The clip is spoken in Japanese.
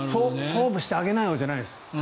勝負してあげなよじゃないんです。